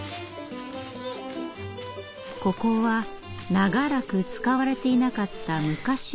ここは長らく使われていなかった昔の山道。